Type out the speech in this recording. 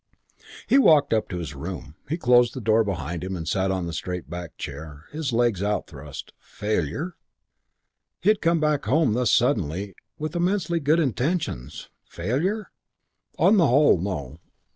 IV He walked up to his room. He closed the door behind him and sat on a straight backed chair, his legs outthrust. Failure? He had come back home thus suddenly with immensely good intentions. Failure? On the whole, no.